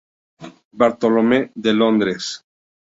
Bartholomew de Londres.